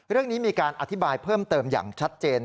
เรื่องนี้มีการอธิบายเพิ่มเติมอย่างชัดเจน